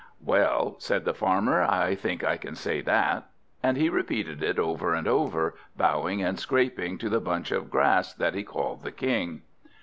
"Well," said the Farmer, "I think I can say that." And he repeated it over and over, bowing and scraping to the bunch of grass that he called the King.